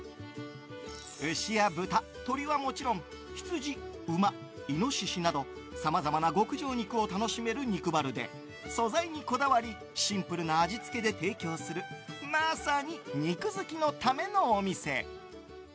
牛や豚、鶏はもちろんヒツジ、馬、イノシシなどさまざまな極上肉を楽しめる肉バルで素材にこだわりシンプルな味付けで提供するまさに肉好きのためのお店。